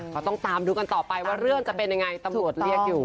ก็ต้องตามดูกันต่อไปว่าเรื่องจะเป็นยังไงตำรวจเรียกอยู่